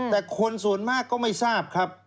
แต่คนส่วนมากก็ไม่ทราบครับ